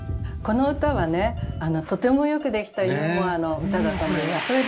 この歌はとてもよくできたユーモアの歌だと思います。